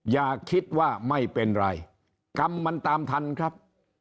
อย่าคิดว่าไม่เป็นไรกรรมมันตามทันครับ